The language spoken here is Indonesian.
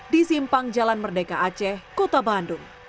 di simpang jalan merdeka aceh kota bandung